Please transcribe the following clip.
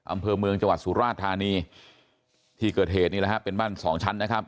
อำเภอเมืองจังหวัดสุราธานีที่เกิดเหตุนี่แหละฮะเป็นบ้านสองชั้นนะครับ